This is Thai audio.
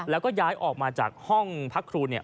แล้วก็ย้ายออกมาจากห้องพักภูมิ